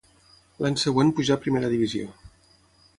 L'any següent pujà a primera divisió.